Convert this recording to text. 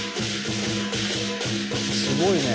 すごいね。